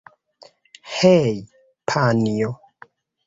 Hej, panjo!